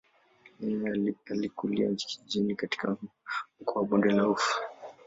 Yeye alikulia kijijini katika mkoa wa bonde la ufa.